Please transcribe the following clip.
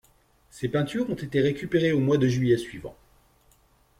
Ces peintures ont été récupérés au mois de juillet suivant.